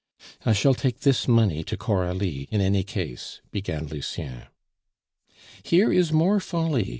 "I shall take this money to Coralie in any case," began Lucien. "Here is more folly!"